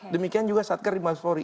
demikian juga satker di mabes polri